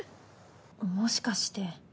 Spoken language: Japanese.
もしかして。